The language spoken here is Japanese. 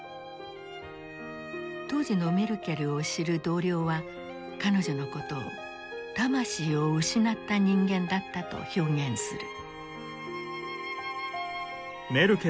当時のメルケルを知る同僚は彼女のことを「魂を失った人間」だったと表現する。